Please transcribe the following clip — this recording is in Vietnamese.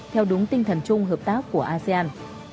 theo đúng tinh thần chung hợp tác của asean